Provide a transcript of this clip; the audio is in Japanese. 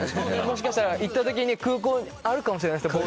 もしかしたら行った時に空港にあるかもしれないですね